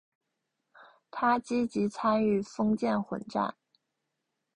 他积极参与封建混战。